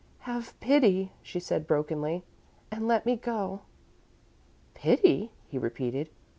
"Have pity," she said brokenly, "and let me go." "Pity?" he repeated.